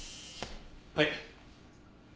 はい。